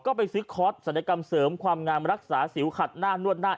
ก็ไปซื้อคอร์สศัลยกรรมเสริมความงามรักษาสิวขัดหน้านวดหน้า